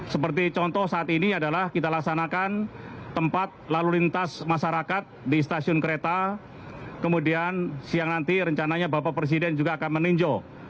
seperti contoh saat ini adalah kita laksanakan tempat lalu lintas masyarakat di stasiun kereta kemudian siang nanti rencananya bapak presiden juga akan meninjau